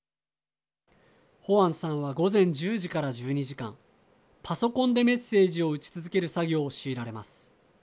ホアンさんは午前１０時から１２時間パソコンでメッセージを打ち続ける作業を強いられます。